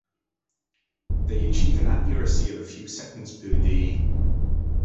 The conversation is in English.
They achieve an accuracy of a few seconds per day.